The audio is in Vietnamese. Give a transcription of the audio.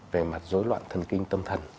về mặt dối loạn thần kinh tâm thần